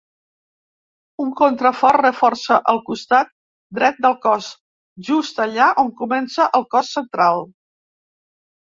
Un contrafort reforça el costat dret del cos, just allà on comença el cos central.